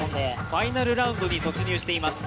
ファイナルラウンドに突入しています。